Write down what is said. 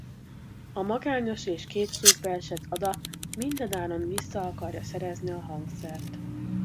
A magányos és kétségbeesett Ada mindenáron vissza akarja szerezni a hangszert.